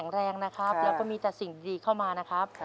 แล้วก็มีแต่สิ่งดีเข้ามานะครับ